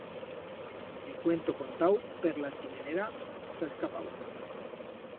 Y cuento contau, per la chimenera s'ha escapau!